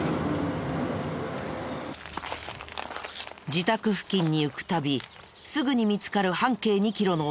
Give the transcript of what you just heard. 自宅付近に行く度すぐに見つかる半径２キロの男。